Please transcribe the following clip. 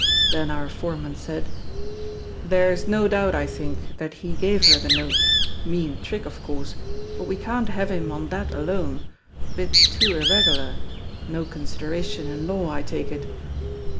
Then our foreman said: "There's no doubt, I think, that he gave her the note—mean trick, of course, but we can't have him on that alone—bit too irregular—no consideration in law, I take it."